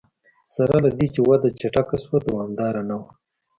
سره له دې چې وده چټکه شوه دوامداره نه وه.